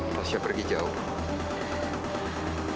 tasya pergi jauh